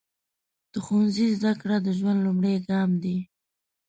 د ښوونځي زده کړه د ژوند لومړی ګام دی.